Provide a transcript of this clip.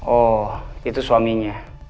oh itu suaminya